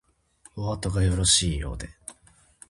おあとがよろしいようで